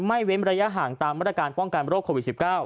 เว้นระยะห่างตามมาตรการป้องกันโรคโควิด๑๙